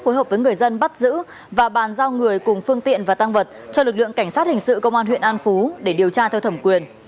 phối hợp với người dân bắt giữ và bàn giao người cùng phương tiện và tăng vật cho lực lượng cảnh sát hình sự công an huyện an phú để điều tra theo thẩm quyền